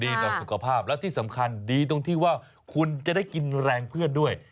ต่อสุขภาพและที่สำคัญดีตรงที่ว่าคุณจะได้กินแรงเพื่อนด้วย